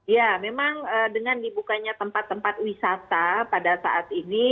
ya memang dengan dibukanya tempat tempat wisata pada saat ini